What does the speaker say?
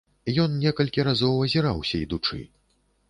Ён некалькі разоў азіраўся ідучы.